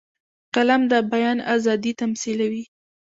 قلم د بیان آزادي تمثیلوي